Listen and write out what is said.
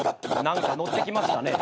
何か乗ってきましたね。